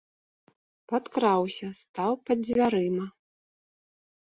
Падкраўся, стаў пад дзвярыма.